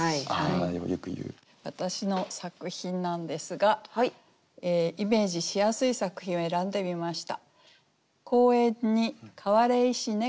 私の作品なんですがイメージしやすい作品を選んでみました。